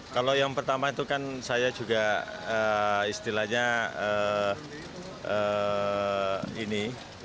kalau yang pertama itu kan saya juga istilahnya ini